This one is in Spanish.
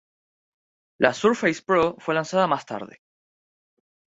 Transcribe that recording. La Surface Pro fue lanzada más tarde.